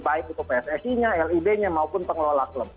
baik itu pssi nya lib nya maupun pengelola klub